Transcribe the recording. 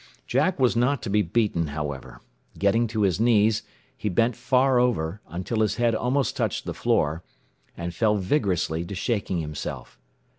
Jack was not to be beaten, however. Getting to his knees, he bent far over, until his head almost touched the floor, and fell vigorously to shaking himself.